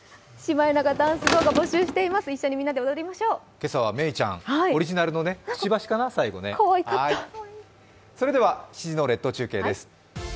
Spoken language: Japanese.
今朝はめいちゃん、オリジナルのくちばしかな、７時の列島中継です。